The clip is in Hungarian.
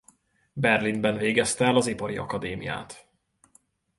Berlinben végezte el az ipari akadémiát.